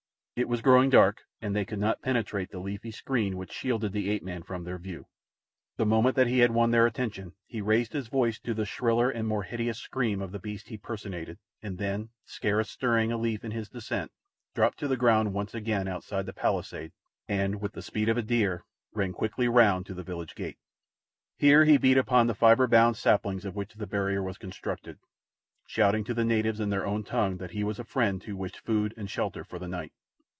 It was growing dark, and they could not penetrate the leafy screen which shielded the ape man from their view. The moment that he had won their attention he raised his voice to the shriller and more hideous scream of the beast he personated, and then, scarce stirring a leaf in his descent, dropped to the ground once again outside the palisade, and, with the speed of a deer, ran quickly round to the village gate. Here he beat upon the fibre bound saplings of which the barrier was constructed, shouting to the natives in their own tongue that he was a friend who wished food and shelter for the night.